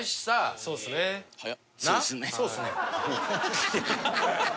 「そうすね？」。